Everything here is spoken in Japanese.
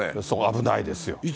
そう、危ないですよ。